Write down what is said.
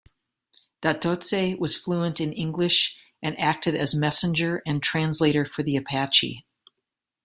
Dahteste was fluent in English and acted as messenger and translator for the Apache.